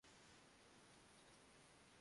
Trinity বেঁচে আছে।